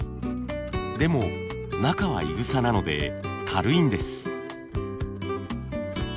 でも中はいぐさなので軽いんです。